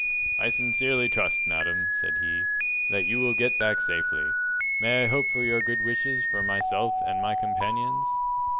"I sincerely trust, madam," said he, "that you will get back safely. May I hope for your good wishes for myself and my companions?"